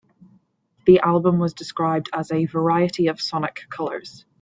The album was described as a "variety of sonic colors".